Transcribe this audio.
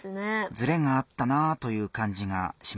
ズレがあったなぁという感じがしましたね。